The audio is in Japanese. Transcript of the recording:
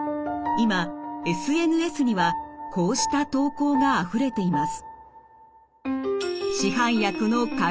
今ＳＮＳにはこうした投稿があふれています。